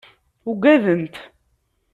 Ugadent.